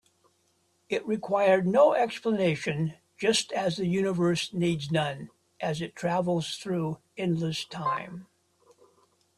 It required no explanation, just as the universe needs none as it travels through endless time.